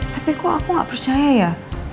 tapi kok aku gak percaya ya